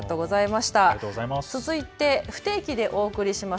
続いて不定期でお送りします